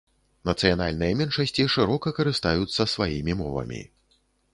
Нацыянальныя меншасці шырока карыстаюцца сваімі мовамі.